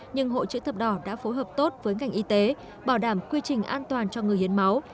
nhưng hội chữ thập đỏ đã phối hợp tốt với ngành y tế bảo đảm quy trình an toàn cho người hiến máu